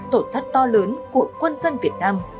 tổ thất to lớn của quân dân việt nam